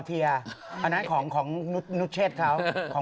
พี่ชอบเห็น